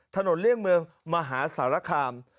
เลี่ยงเมืองมหาสารคาม